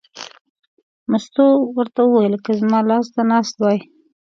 مستو ورته وویل: که زما لاس ته ناست وای.